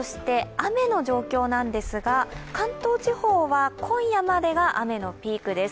雨の状況ですが、関東地方は今夜までが雨のピークです。